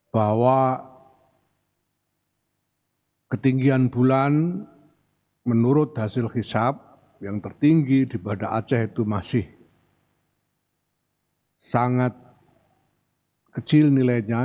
bahwa ketinggian bulan menurut hasil hisap yang tertinggi di banda aceh itu masih sangat kecil nilainya